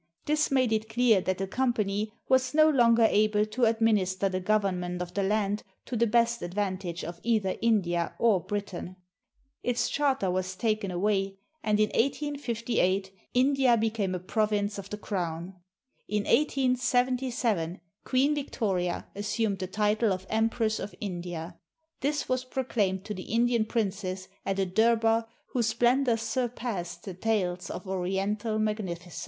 This made it clear that the Company was no longer able to administer the government of the land to the best advantage of either India or Britain. Its charter was taken away, and in 1858 India became a province of the Crown. In 1877, Queen Victoria assumed the title of Empress of India. This was proclaimed to the Indian princes at a durbar whose splendor surpassed the tales of Oriental magnificence.